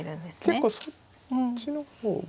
結構そっちの方が。